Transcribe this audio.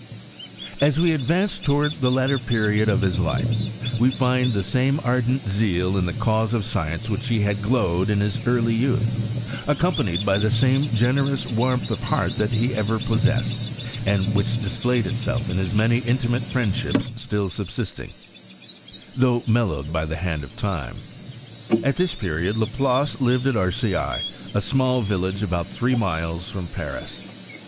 As we advance towards the latter period of his life, we And the same ardent zeal in the cause of science which had glowed in his early youth, ac companied by the same generous warmth of heart that he ever possessed, and which displayed itself in his many intimate friendships still subsisting, though mellowed by the hand of time. At thi* period La Place hved at Arcueil, a small village about three miles from Paris.